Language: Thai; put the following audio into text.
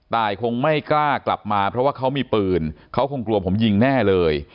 คงไม่กล้ากลับมาเพราะว่าเขามีปืนเขาคงกลัวผมยิงแน่เลย